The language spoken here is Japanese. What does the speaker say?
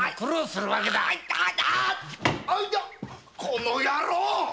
この野郎！